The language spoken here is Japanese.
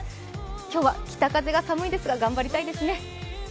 今日は北風が寒いですが頑張りたいですね。